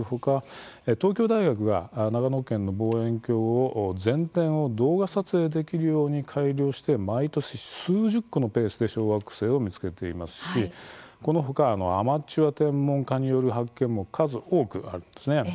東京大学が長野県の望遠鏡を全天を動画撮影できるように改良して毎年、数十個のペースで小惑星を見つけていますしこの他、アマチュア天文家による発見も数多くあるんです。